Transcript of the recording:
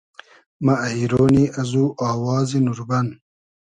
مۂ اݷرۉنی ازو آوازی نوربئن